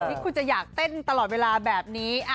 ที่คุณจะอยากเต้นตลอดเวลาแบบนี้